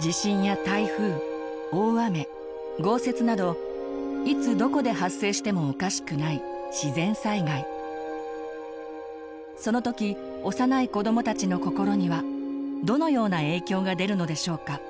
地震や台風大雨豪雪などいつどこで発生してもおかしくないその時幼い子どもたちの心にはどのような影響が出るのでしょうか？